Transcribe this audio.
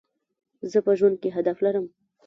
زه په ژوند کي هدف لرم.